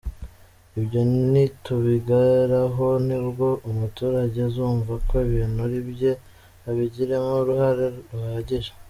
Ibyo nitubigeraho ni bwo umuturage azumva ko ibintu ari ibye, abigiremo uruhare ruhagije”.